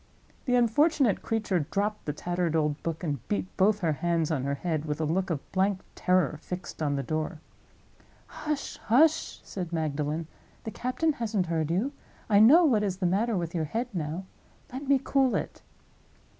The unfortunate creature dropped the tattered old book, and beat both her hands on her head, with a look of blank terror fixed on the door. "Hush! hush!" said Magdalen. "The captain hasn't heard you. I know what is the matter with your head now. Let me cool it."